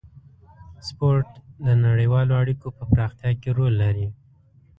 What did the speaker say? سپورت د نړیوالو اړیکو په پراختیا کې رول لري.